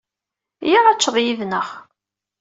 Iyya ad teččeḍ yid-neɣ.